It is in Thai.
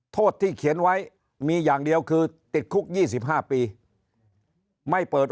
โทษที่เขียนไว้มีอย่างเดียวคือติดคุก๒๕ปีไม่เปิด